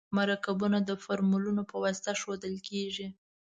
مرکبونه د فورمول په واسطه ښودل کیږي.